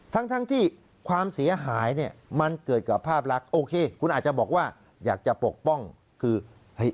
ทั้งทั้งที่ความเสียหายเนี่ยมันเกิดกับภาพลักษณ์โอเคคุณอาจจะบอกว่าอยากจะปกป้องคือเฮ้ย